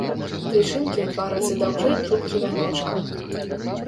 Тычынкі ў два разы даўжэй трубкі вяночка.